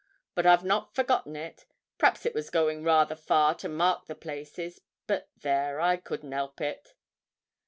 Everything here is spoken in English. But I've not forgotten it. P'r'aps it was going rather far to mark the places; but there, I couldn't 'elp it.'